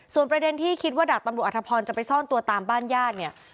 ส่วนประเด็นที่คิดว่าดาบตำรวจอธพรจะไปซ่อนตัวตามบ้านญาติเนี่ย